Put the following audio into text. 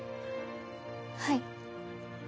はい。